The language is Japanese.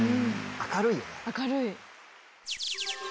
明るい。